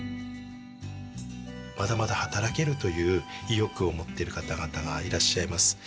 まだまだ働けるという意欲を持ってる方々がいらっしゃいます。